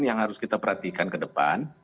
yang harus kita perhatikan ke depan